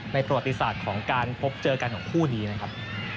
ประวัติศาสตร์ของการพบเจอกันของคู่นี้นะครับ